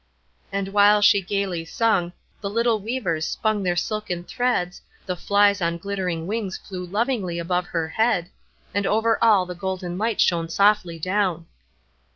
And while she gayly sung, the little weavers spun their silken threads, the flies on glittering wings flew lovingly above her head, and over all the golden light shone softly down.